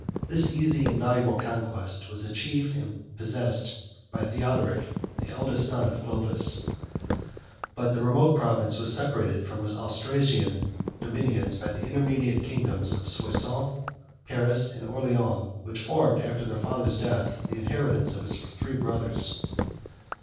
This easy and valuable conquest was achieved and possessed by Theodoric, the eldest son of Clovis: but the remote province was separated from his Austrasian dominions, by the intermediate kingdoms of Soissons, Paris, and Orleans, which formed, after their father's death, the inheritance of his three brothers.